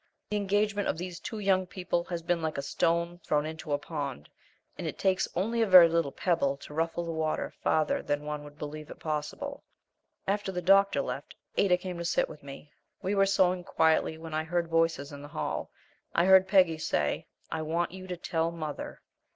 The engagement of these two young people has been like a stone thrown into a pond, and it takes only a very little pebble to ruffle the water farther than one would believe it possible. After the doctor left, Ada came to sit with me. We were sewing quietly when I heard voices in the hall. I heard Peggy say, "I want you to tell mother."